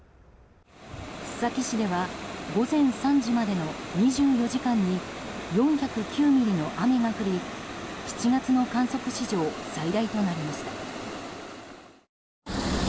須崎市では午前３時までの２４時間に４０９ミリの雨が降り７月の観測史上最大となりました。